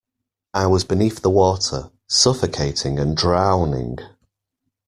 I was beneath the water, suffocating and drowning.